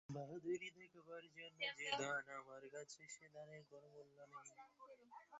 বাহাদুরি দেখাবার জন্যে যে দান, আমার কাছে সে দানের কোনো মূল্য নেই।